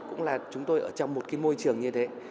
cũng là chúng tôi ở trong một cái môi trường như thế